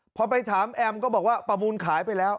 พอไปถามแอมก็บอกว่าประมูลขายไปแล้ว